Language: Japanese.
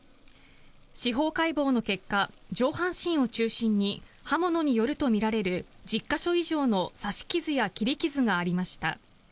司法解剖の結果上半身を中心に刃物によるとみられる１０か所以上の刺し傷や切り傷がありました。